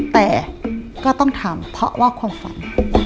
แต่ก็ต้องทำเพราะว่าความฝัน